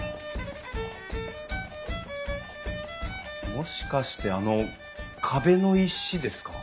もしかしてあの壁の石ですか？